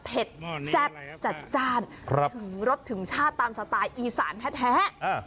เผ็ดแซ่บจัดจ้าห์นครับรสถึงชาติตามสไตล์อีสานแท้